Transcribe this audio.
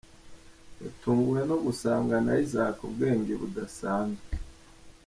Yatunguwe no gusangana Isaac ubwenge budasanzwe.